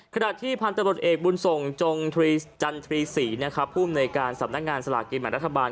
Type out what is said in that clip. ขณะที่พันธบทเอกบุญสงศ์จงจันทรีศรีผู้บนในการสำนักงานสลากรีมัติรัฐบาล